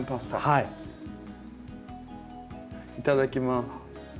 いただきます。